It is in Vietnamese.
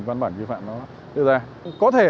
văn bản vi phạm nó đưa ra có thể